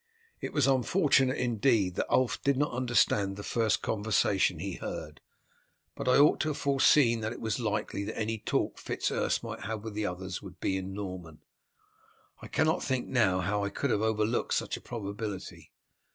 It was unfortunate indeed that Ulf did not understand the first conversation he heard, but I ought to have foreseen that it was likely that any talk Fitz Urse might have with others would be in Norman. I cannot think now how I could have overlooked such a probability.